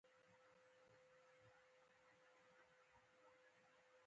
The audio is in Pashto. خو په نولسمه پېړۍ کې د ښځو نضهت رامنځته شو .